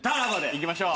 行きましょう。